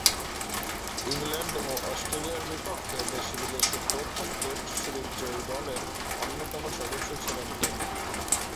England ও অস্ট্রেলিয়ার বিপক্ষে দেশে-বিদেশে প্রথম টেস্ট সিরিজ জয়ী দলের অন্যতম সদস্য ছিলেন তিনি।